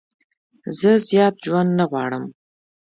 زه زیات ژوند نه غواړم.